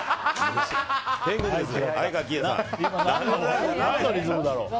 何のリズムだろう。